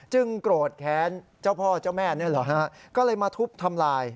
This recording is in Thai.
โกรธแค้นเจ้าพ่อเจ้าแม่นี่เหรอฮะก็เลยมาทุบทำลาย